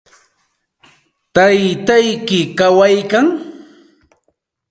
¿Taytayki kawaykan?